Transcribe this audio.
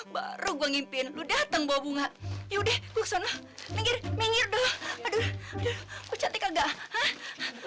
baru gua ngimpin lu datang bawa bunga yuk sana menggirir nggirir dong aduh aduh aku cantik kagak